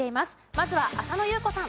まずは浅野ゆう子さん。